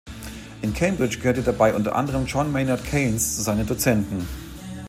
In Cambridge gehörte dabei unter anderem John Maynard Keynes zu seinen Dozenten.